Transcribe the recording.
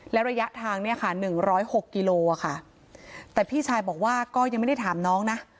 ระยะทางเนี่ยค่ะหนึ่งร้อยหกกิโลอ่ะค่ะแต่พี่ชายบอกว่าก็ยังไม่ได้ถามน้องนะ